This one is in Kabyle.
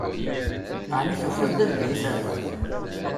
Ɛni tufiḍ-d anda i terra?